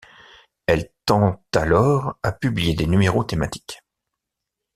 Elle tend alors à publier des numéros thématiques.